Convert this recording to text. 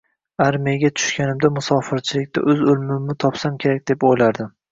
Armiyaga tushganimda musofirchilikda o`z o`limimni topsam kerak deb o`ylardim